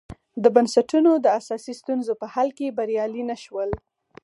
د بنسټونو د اساسي ستونزو په حل کې بریالي نه شول.